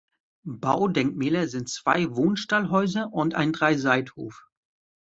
Baudenkmäler sind zwei Wohnstallhäuser und ein Dreiseithof.